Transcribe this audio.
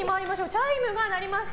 チャイムが鳴りました。